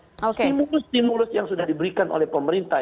stimulus stimulus yang sudah diberikan oleh pemerintah